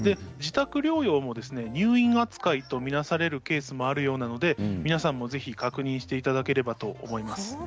自宅療養も入院扱いと見なされるケースがあるようなので皆さんもぜひ確認してみていただければと思います。